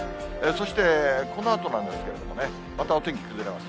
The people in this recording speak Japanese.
そして、このあとなんですけれどもね、またお天気崩れます。